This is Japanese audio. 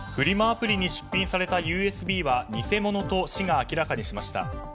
アプリに出品されたＵＳＢは偽物と市が明らかにしました。